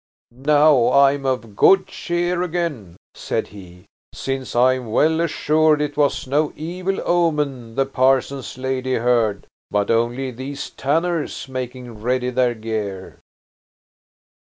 "Now I am of good cheer again," said he, "since I am well assured it was no evil omen the parson's lady heard, but only these tanners making ready their gear."